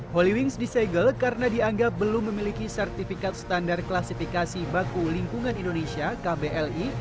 holywings di seigel karena dianggap belum memiliki sertifikat standar klasifikasi baku lingkungan indonesia kbli